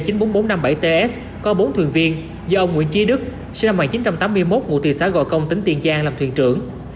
tàu tg chín mươi bốn nghìn bốn trăm năm mươi bảy ts có bốn thuyền viên do ông nguyễn chi đức sinh năm một nghìn chín trăm tám mươi một ngụ thị xã gò công tỉnh tiền giang làm thuyền trưởng